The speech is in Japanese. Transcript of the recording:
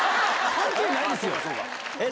関係ないんですよ。